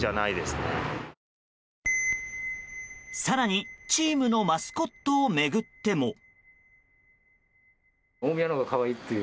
更にチームのマスコットを巡っても。